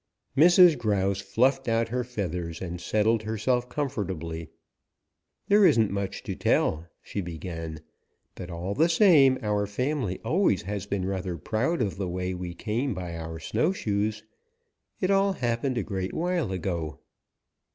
Mrs. Grouse fluffed out her feathers and settled herself comfortably. "There isn't much to tell," she began, "but all the same our family always has been rather proud of the way we came by our snowshoes. It all happened a great while ago."